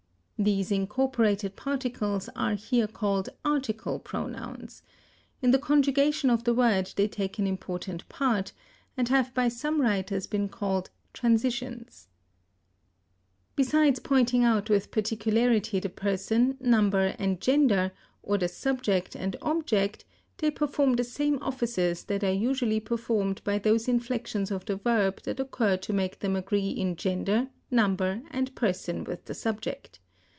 These incorporated particles are here called article pronouns. In the conjugation of the verb they take an important part, and have by some writers been called transitions. Besides pointing out with particularity the person, number, and gender or the subject and object, they perform the same offices that are usually performed by those inflections of the verb that occur to make them agree in gender, number, and person with the subject.